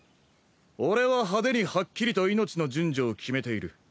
俺は派手にはっきりと命の順序を決めている。